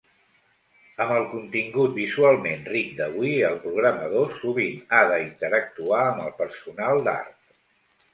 Amb el contingut visualment ric d'avui, el programador sovint ha d'interactuar amb el personal d'art.